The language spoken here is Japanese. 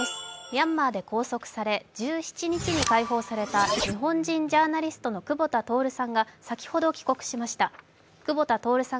ミャンマーで拘束され１７日に解放された日本人ジャーナリストの久保田徹さんが先ほど帰国しました。